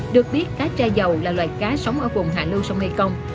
được biết cá trà dầu là loài cá sống ở vùng hạ lưu sông ngây công